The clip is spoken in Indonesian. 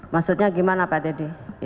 maksudnya gimana pak teddy